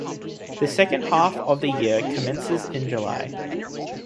The second half of the year commences in July.